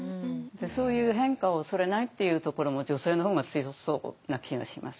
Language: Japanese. そういう変化を恐れないっていうところも女性の方が強そうな気がします。